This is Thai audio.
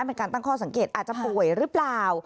มีการตั้งข้อสังเกตอาจจะป่วยหรือเปล่า